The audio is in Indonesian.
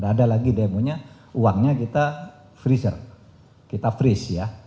gak ada lagi demo nya uangnya kita freezer kita freeze ya